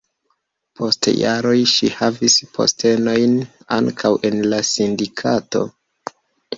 Post jaroj ŝi havis postenojn ankaŭ en la sindikato.